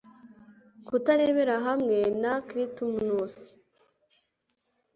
Kutarebera hamwe na Clitumnus